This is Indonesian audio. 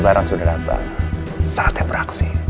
ada barang sudah datang saatnya beraksi